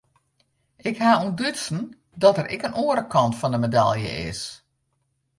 Ik haw ûntdutsen dat der ek in oare kant fan de medalje is.